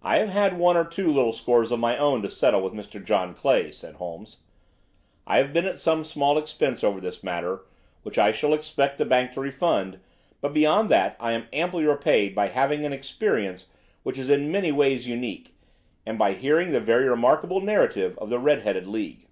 "I have had one or two little scores of my own to settle with Mr. John Clay," said Holmes. "I have been at some small expense over this matter, which I shall expect the bank to refund, but beyond that I am amply repaid by having had an experience which is in many ways unique, and by hearing the very remarkable narrative of the Red headed League."